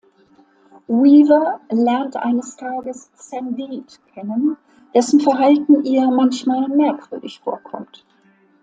Weaver lernt eines Tages Sam Deed kennen, dessen Verhalten ihr manchmal merkwürdig vorkommt.